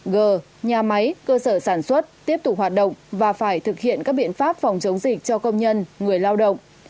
g nhà máy cơ sở sản xuất tiếp tục hoạt động và phải thực hiện các biện pháp phòng chống dịch cho công nhân người lao động